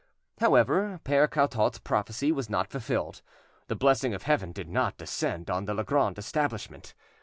However, Pere Cartault's prophecy was not fulfilled: the blessing of Heaven did not descend on the Legrand establishment.